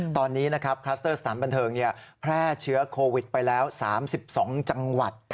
ตอนนี้นะครับคลัสเตอร์สถานบันเทิงแพร่เชื้อโควิดไปแล้ว๓๒จังหวัด